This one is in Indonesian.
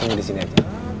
ini disini aja